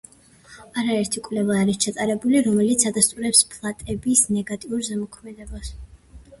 არაერთი კვლევა არის ჩატარებული, რომელიც ადასტურებს ფტალატების ნეგატიურ ზემოქმედებას